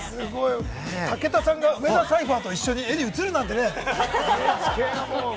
武田さんが梅田サイファーと一緒に画に映るなんてね。